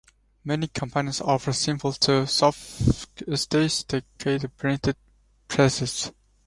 Many companies offer simple to sophisticated printing presses.